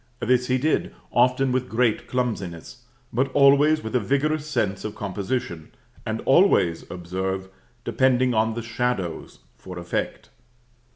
This he did, often with great clumsiness, but always with a vigorous sense of composition, and always, observe, depending on the shadows for effect.